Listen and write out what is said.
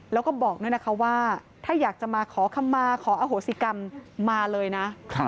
แล้วก็บอกด้วยนะคะว่าถ้าอยากจะมาขอคำมาขออโหสิกรรมมาเลยนะ